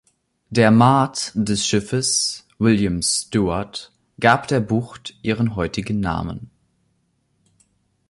Der Maat des Schiffes, William Stewart, gab der Bucht ihren heutigen Namen.